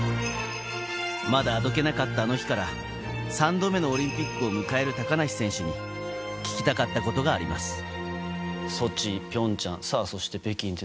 まだあどけなかったあの日から３度目のオリンピックを迎える高梨選手に聞きたかったことがあります。